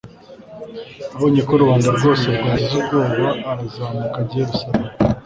abonye ko rubanda rwose rwagize ubwoba, arazamuka ajya i yeruzalemu